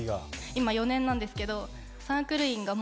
今４年なんですけど。